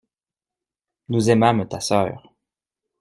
Nous aimâmes ta sœur.